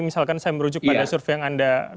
misalkan saya merujuk pada survei yang anda